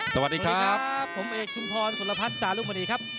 สวัสดีครับสวัสดีครับผมเอกชุมพรสุรพัฒน์จารุมารีครับ